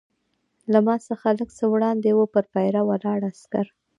له ما څخه لږ څه وړاندې وه، پر پیره ولاړ عسکر.